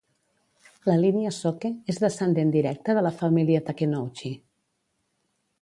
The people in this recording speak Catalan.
La línia Soke és descendent directe de la família Takenouchi.